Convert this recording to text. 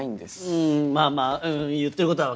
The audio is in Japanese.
うんまぁまぁ言ってることは分かる。